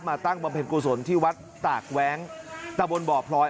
ตั้งบำเพ็ญกุศลที่วัดตากแว้งตะบนบ่อพลอย